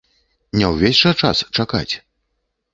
Не ўвесь жа час чакаць.